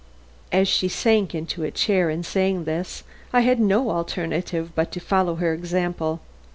As she sank into a chair in saying this, I had no alternative but to follow her example.